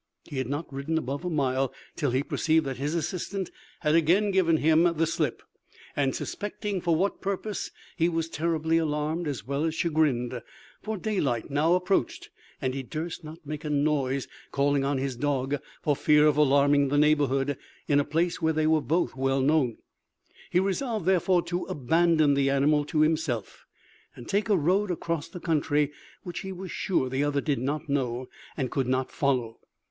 He had not ridden above a mile, till he perceived that his assistant had again given him the slip; and suspecting for what purpose, he was terribly alarmed as well as chagrined; for daylight now approached, and he durst not make a noise calling on his dog, for fear of alarming the neighbourhood, in a place where they were both well known. He resolved therefore to abandon the animal to himself, and take a road across the country which he was sure the other did not know, and could not follow.